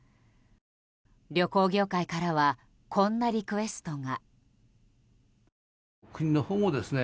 旅行業界からはこんなリクエストが。